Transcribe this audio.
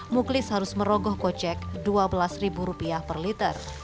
muklis harus merogoh kocek dua belas ribu rupiah per liter